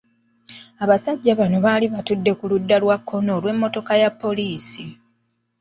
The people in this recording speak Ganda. Abasajja bano baali batudde ku ludda lwa kkono olw’emmotoka ya poliisi .